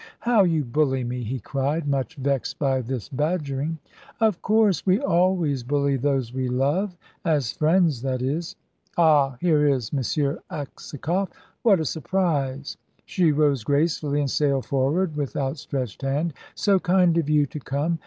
"How you bully me!" he cried, much vexed by this badgering. "Of course; we always bully those we love as friends, that is. Ah, here is M. Aksakoff. What a surprise!" She rose gracefully and sailed forward with outstretched hand, "So kind of you to come!